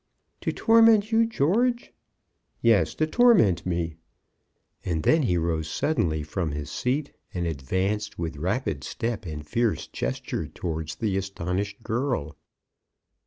"To torment you, George!" "Yes; to torment me!" And then he rose suddenly from his feet, and advanced with rapid step and fierce gesture towards the astonished girl.